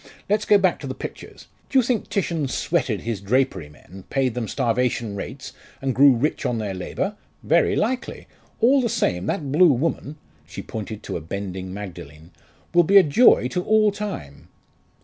Let's go back to the pictures. Do you think Titian 'sweated' his drapery men paid them starvation rates, and grew rich on their labour? Very likely. All the same, that blue woman" she pointed to a bending Magdalen "will be a joy to all time."